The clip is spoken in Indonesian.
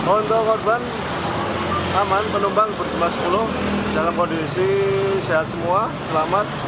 untuk korban aman penumpang berjumlah sepuluh dalam kondisi sehat semua selamat